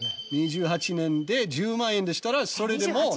２８年で１０万円でしたらそれでも。